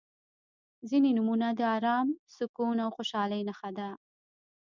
• ځینې نومونه د ارام، سکون او خوشحالۍ نښه ده.